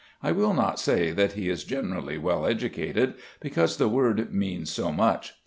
I will not say that he is generally well educated, because the word means so much.